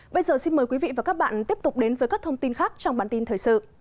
bây giờ xin mời quý vị và các bạn tiếp tục đến với các thông tin khác trong bản tin thời sự